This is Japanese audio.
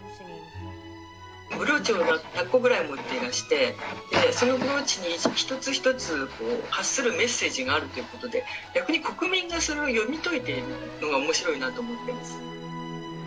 ブローチを１００個ぐらい持っていらして、そのブローチに一つ一つ発するメッセージがあるということで、逆に国民が、それを読み解いているのが、おもしろいなと思ってます。